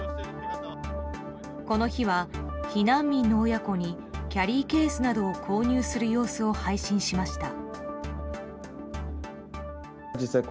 この日は、避難民の親子にキャリーケースなどを購入する様子を配信しました。